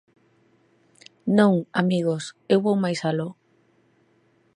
Non, amigos, eu vou mais aló.